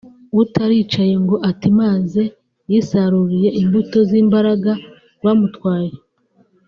utaricaye ngo atimaze yisarurire imbuto z’imbaraga rwamutwaye